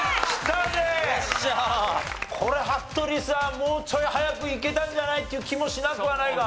もうちょい早くいけたんじゃない？っていう気もしなくはないが。